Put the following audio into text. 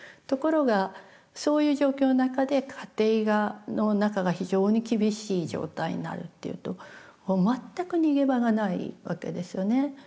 ところがそういう状況の中で家庭の中が非常に厳しい状態になるっていうともう全く逃げ場がないわけですよね。